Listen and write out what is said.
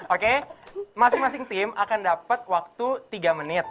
oke masing masing tim akan dapat waktu tiga menit